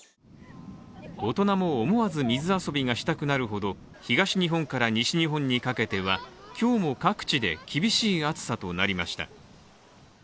大人も思わず水遊びがしたくなるほど、東日本から西日本にかけては今日も各地で厳しい暑さとなりました。